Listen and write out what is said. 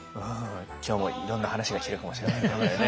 今日もいろんな話が聞けるかもしれませんね。